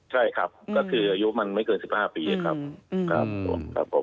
ใช่ครับก็คืออายุมันไม่เกิน๑๕ปีครับผมครับผม